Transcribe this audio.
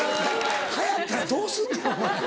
流行ったらどうすんねんお前。